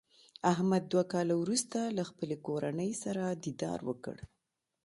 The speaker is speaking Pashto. احمد دوه کاله ورسته له خپلې کورنۍ سره دیدار وکړ.